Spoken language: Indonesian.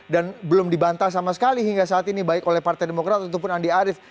dan belum dibantah sama sekali hingga saat ini baik oleh partai demokrat ataupun andi arief